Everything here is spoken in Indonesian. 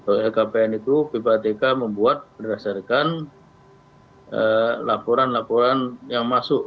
lkpn itu ppatk membuat berdasarkan laporan laporan yang masuk